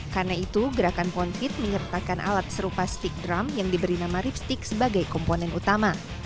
karena itu gerakan pound feet menyertakan alat serupa stick drum yang diberi nama ripstick sebagai komponen utama